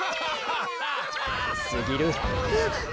すぎる。